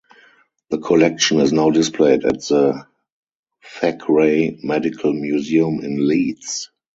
The collection is now displayed at the Thackray Medical Museum in Leeds.